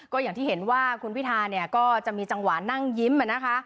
ก็อย่างที่เห็นว่าคุณพิธาเนี่ยก็จะมีจังหวะนั่งยิ้มนะคะ